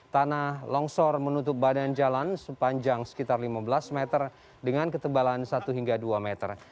tanah longsor menutup badan jalan sepanjang sekitar lima belas meter dengan ketebalan satu hingga dua meter